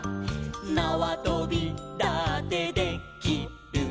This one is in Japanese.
「なわとびだってで・き・る」